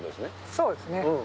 そうですね。